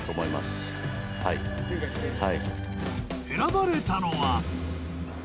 選ばれたのは。